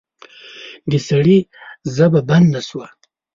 د سړي ژبه بنده شوه.